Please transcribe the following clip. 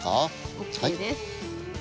ＯＫです。